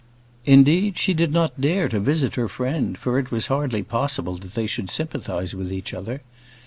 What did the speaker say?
Indeed, she did not dare to visit her friend, for it was hardly possible that they should sympathise with each other.